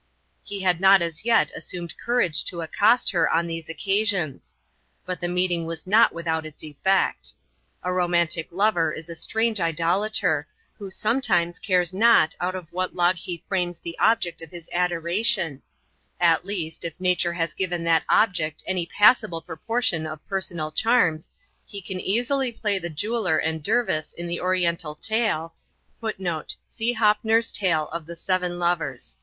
He had not as yet assumed courage to accost her on these occasions; but the meeting was not without its effect. A romantic lover is a strange idolater, who sometimes cares not out of what log he frames the object of his adoration; at least, if nature has given that object any passable proportion of personal charms, he can easily play the Jeweller and Dervise in the Oriental tale, [Footnote: See Hoppner's tale of The Seven Lovers.